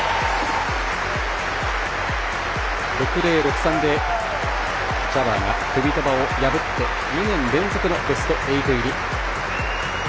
６−０、６−３でジャバーがクビトバを破って２年連続のベスト８入り。